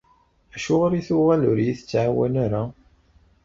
Acuɣer i tuɣal ur iyi-tettɛawan ara?